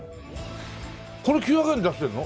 これ９００円で出してるの？